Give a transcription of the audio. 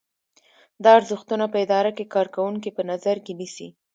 دا ارزښتونه په اداره کې کارکوونکي په نظر کې نیسي.